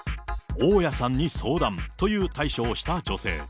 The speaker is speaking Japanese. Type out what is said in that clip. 大家さんに相談という対処をした女性。